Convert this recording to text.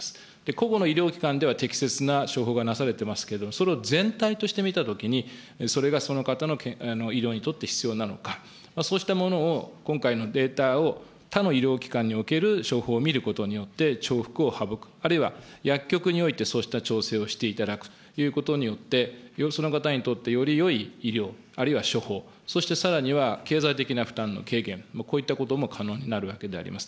個々の医療機関では、適切な処方がなされてますけど、それを全体として見たときに、それがその方の医療にとって必要なのか、そうしたものを今回のデータを他の医療機関における処方を見ることによって、重複を省く、あるいは薬局において、そうした調整をしていただくということによって、その方によってよりよい医療、あるいは処方、そしてさらには経済的な負担の軽減、こういったことも可能になるわけであります。